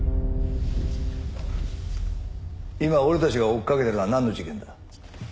今俺たちが追いかけてるのはなんの事件だ？